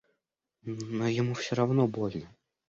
Но ему все равно больно.